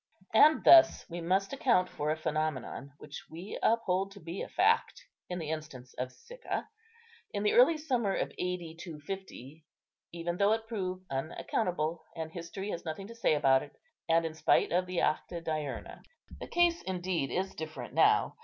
And thus we must account for a phenomenon, which we uphold to be a fact in the instance of Sicca, in the early summer of A.D. 250, even though it prove unaccountable, and history has nothing to say about it, and in spite of the Acta Diurna. The case, indeed, is different now.